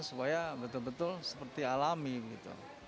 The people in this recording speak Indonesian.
supaya betul betul seperti alami gitu